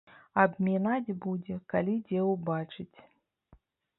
Абмінаць будзе, калі дзе ўбачыць.